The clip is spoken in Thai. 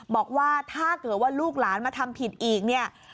บอกว่าถ้าเกิดว่าลูกหลานมาทำผิดอีกเนี่ย